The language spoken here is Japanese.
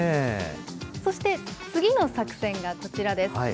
そして、次の作戦がこちらです。